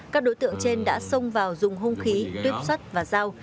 các đối tượng trên đã xông vào dùng hông khí tuyếp xuất và dao